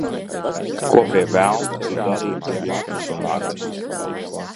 Ko, pie velna, tu darīji pie Matsunagas?